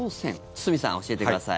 堤さん教えてください。